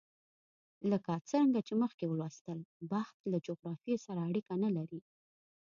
لکه څرنګه چې مخکې ولوستل، بخت له جغرافیې سره اړیکه نه لري.